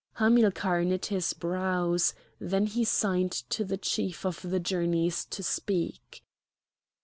Hamilcar knit his brows; then he signed to the Chief of the Journeys to speak.